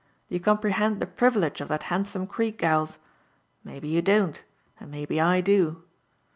D'ye comprehend the priyilege of that handsome creek, gals? Maybe you don't, and maybe I do.